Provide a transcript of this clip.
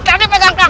tadi pegang kaki